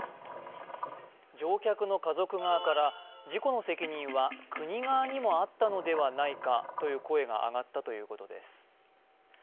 乗客の家族側から事故の責任は、国側にもあったのではないかという声が上がったということです。